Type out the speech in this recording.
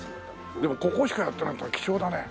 でもここしかやってないってのは貴重だね。